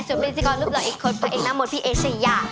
สวัสดีพิธีกรรมหล่ออีกคนภักดิ์เอกน้ำหมดพี่เอเชย่า